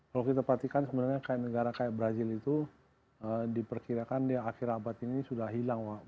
kalau kita perhatikan sebenarnya kayak negara kayak brazil itu diperkirakan di akhir abad ini sudah hilang